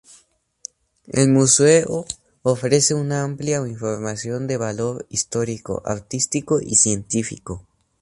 El museo ofrece una amplia información de valor histórico, artístico y científico.